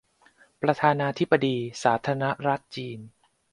ประธานาธิปดีสาธารณรัฐจีน